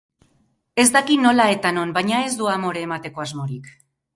Ez daki nola eta non, baina ez du amore emateko asmorik.